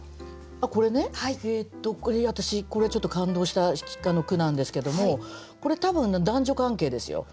これね私これちょっと感動した句なんですけどもこれ多分男女関係ですよ。